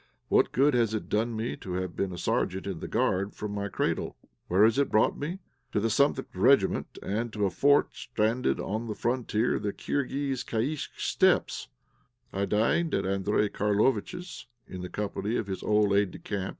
"What good has it done me to have been a sergeant in the Guard from my cradle? Where has it brought me? To the th Regiment, and to a fort stranded on the frontier of the Kirghiz Kaïsak Steppes!" I dined at Andréj Karlovitch's, in the company of his old aide de camp.